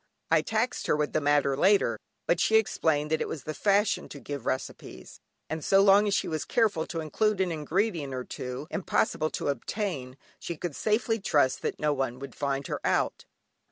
I taxed her with the matter later, but she explained that it was the fashion to give recipes, and so long as she was careful to include an ingredient or two, impossible to obtain, she could safely trust that no one would find her out.